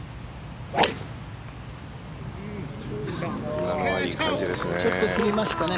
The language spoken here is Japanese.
今のはいい感じですね。